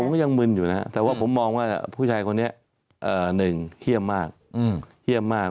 ผมก็ยังมึนอยู่นะแต่ว่าผมมองว่าผู้ใช่คนนี้หนึ่งเหี่ยบมาก